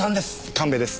神戸です。